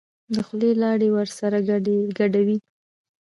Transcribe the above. د خولې لاړې ورسره ګډوي.